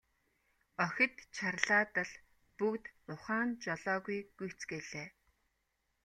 Охид чарлаад л бүгд ухаан жолоогүй гүйцгээлээ.